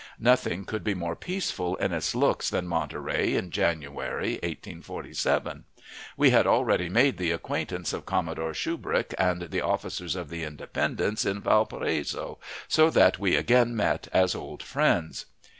Nothing could be more peaceful in its looks than Monterey in January, 1847. We had already made the acquaintance of Commodore Shubrick and the officers of the Independence in Valparaiso, so that we again met as old friends.